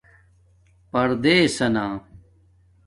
پردیسانہ